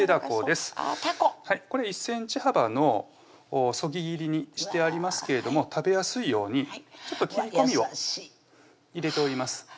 ここれ１ｃｍ幅の削ぎ切りにしてありますけれども食べやすいように切り込みを入れております